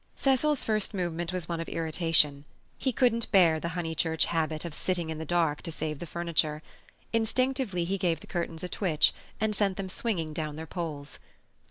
Cecil's first movement was one of irritation. He couldn't bear the Honeychurch habit of sitting in the dark to save the furniture. Instinctively he give the curtains a twitch, and sent them swinging down their poles.